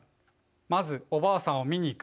まずおばあさんを見に行く？」。